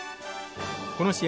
この試合